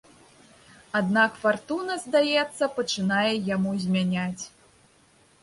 Аднак фартуна, здаецца, пачынае яму змяняць.